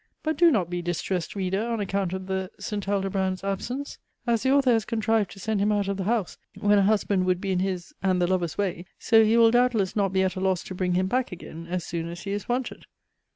But do not be distressed, reader, on account of the St. Aldobrand's absence! As the author has contrived to send him out of the house, when a husband would be in his, and the lover's way, so he will doubtless not be at a loss to bring him back again as soon as he is wanted.